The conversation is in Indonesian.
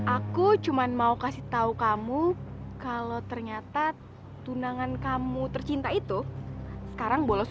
aku cuma mau kasih tahu kamu kalau ternyata tunangan kamu tercinta itu sekarang bolos